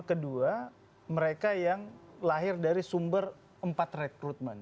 kedua mereka yang lahir dari sumber empat rekrutmen